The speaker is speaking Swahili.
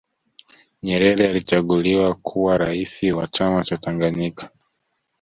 nyerere alichaguliwa kuwa raisi wa chama cha tanganyika